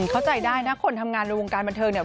เข้าใจได้นะคนทำงานในวงการบันเทิงเนี่ย